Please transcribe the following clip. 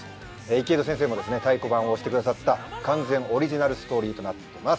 池井戸先生もですね太鼓判を押してくださった完全オリジナルストーリーとなっています。